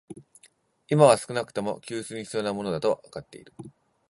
今は少なくとも、給水に必要なものだとはわかっている